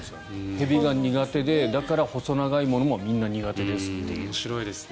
蛇が苦手でだから細長いものも全部苦手ですという。